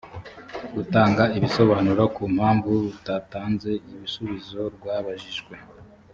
gutanga ibisobanuro ku mpamvu rutatanze ibisubizo rwabajijwe.